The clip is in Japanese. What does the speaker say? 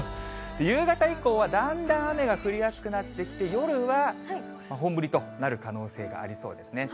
夕方以降はだんだん雨が降りやすくなってきて、夜は本降りとなる可能性がありそうですね。